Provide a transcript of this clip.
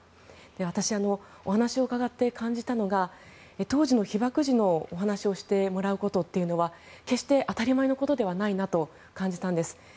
私は、お話を伺って感じたのは当時の被爆時のお話をしてもらうことは決して当たり前のことではないと感じたんです。